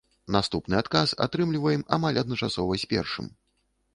Наступны адказ атрымліваем амаль адначасова з першым.